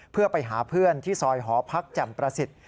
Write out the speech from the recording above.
เพื่อไปหาเพื่อนที่ซอยหอพักแจ่มประสิทธิ์